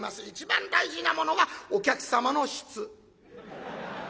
一番大事なものはお客様の質。